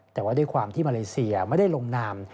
แต่ว่าด้วยความที่มาเลเซียไม่ได้ลงนาม